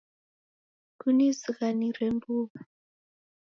Kunizighanire mbuw'a